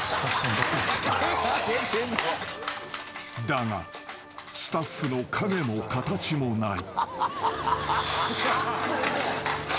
［だがスタッフの影も形もない］